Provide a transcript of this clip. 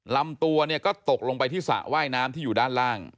ลำตัวเนี่ยก็ตกลงไปที่สระว่ายน้ำที่อยู่ด้านล่าง